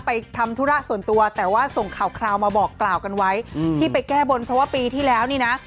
ทำธุระส่วนตัวแต่ว่าส่งข่าวคราวมาบอกกล่าวกันไว้อืมที่ไปแก้บนเพราะว่าปีที่แล้วนี่นะ